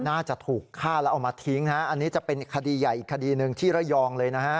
น่าจะถูกฆ่าแล้วเอามาทิ้งฮะอันนี้จะเป็นคดีใหญ่อีกคดีหนึ่งที่ระยองเลยนะฮะ